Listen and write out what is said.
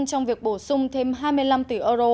trong việc bổ sung thêm hai mươi năm tỷ euro